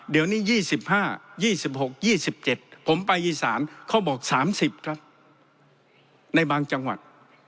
เดี๋ยวนี้๒๕๒๖๒๗ผมไปอีสานเขาบอก๓๐ครับในบางจังหวัด